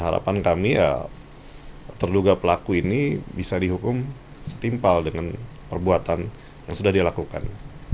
harapan kami ya terduga pelaku ini bisa dihukum setimpal dengan perbuatan yang sudah dilakukan